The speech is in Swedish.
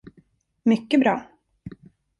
Mycket bra!